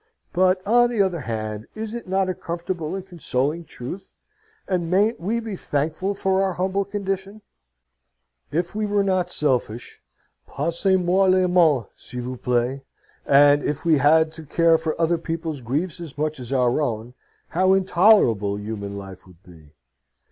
But, on the other hand, is it not a comfortable and consoling truth? And mayn't we be thankful for our humble condition? If we were not selfish passez moi le mot, s.v.p. and if we had to care for other people's griefs as much as our own, how intolerable human life would be!